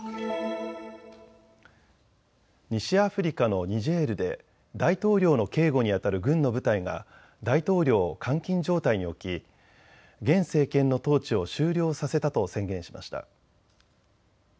西アフリカのニジェールで大統領の警護にあたる軍の部隊が大統領を監禁状態に置き現政権の統治を終了させたと宣言しました。